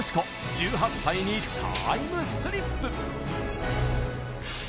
１８歳にタイムスリップ